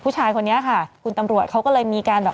ผู้ชายคนนี้ค่ะคุณตำรวจเขาก็เลยมีการแบบ